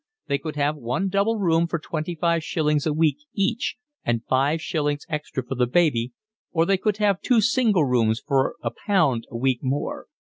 They could have one double room for twenty five shillings a week each, and five shillings extra for the baby, or they could have two single rooms for a pound a week more.